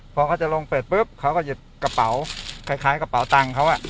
พอเขาจะลงเสร็จปุ๊บเขาก็หยิบกระเป๋าคล้ายกระเป๋าตังค์เขา